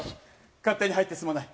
勝手に入ってすまない。